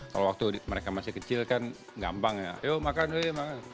kalau waktu mereka masih kecil kan gampang ya ayo makan ayo makan